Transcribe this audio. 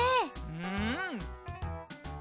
うん。